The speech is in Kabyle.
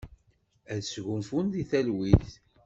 Ad sgunfun di talwit.